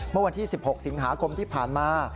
เมื่อวันที่๑๖สิงหาคมที่ผ่านมา